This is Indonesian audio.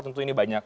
tentu ini banyak